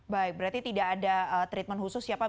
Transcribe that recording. baik berarti tidak ada treatment khusus ya pak